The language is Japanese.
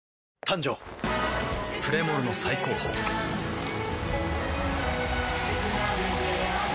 誕生プレモルの最高峰プシュッ！